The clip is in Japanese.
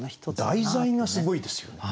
題材がすごいですよね。